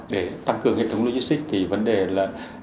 để tăng cường hệ thống logistic thì vấn đề là